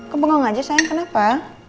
kau bengong aja sayang kenapa